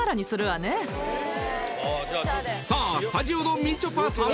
スタジオのみちょぱさん